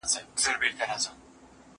چي زه وگورمه مورته او دا ماته